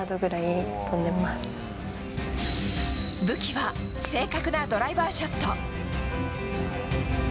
武器は正確なドライバーショット。